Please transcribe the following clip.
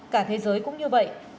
cả thế giới cũng như vậy